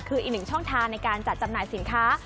คืออีกหนึ่งช่องทางในการจัดจำหน่ายสินค้า